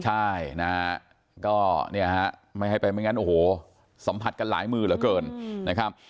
ใช่นะฮะก็เนี่ยฮะไม่ให้ไปไม่งั้นโอ้โหสัมผัสกันหลายมือเหลือเกินนะครับ